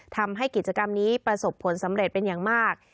ทำให้กิจกรรมนี้ประสบผลสำเร็จเป็นอย่างมาก